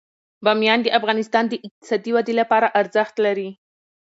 بامیان د افغانستان د اقتصادي ودې لپاره ارزښت لري.